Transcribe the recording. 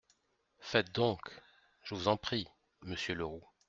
Faites donc, je vous en prie, monsieur Le Roux.